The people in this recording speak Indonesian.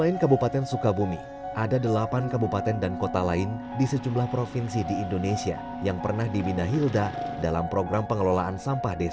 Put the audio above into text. selain kabupaten sukabumi ada delapan kabupaten dan kota lain di sejumlah provinsi di indonesia yang pernah dibina hilda dalam program pengelolaan sampah